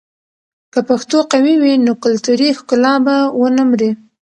که پښتو قوي وي، نو کلتوري ښکلا به ونه مري.